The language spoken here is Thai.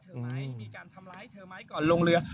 ไหมมีการทำร้ายเธอไหมก่อนลงเรือ